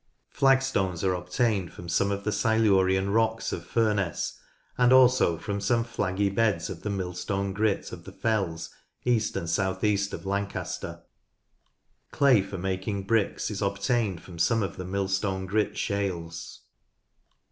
Flagstones are obtained from some of the Silurian rocks of Furness, and also from some flaggy beds of the Millstone Grit of the fells east and south east of Lan caster. Clay for making bricks is obtained from some of the Millstone Grit shales.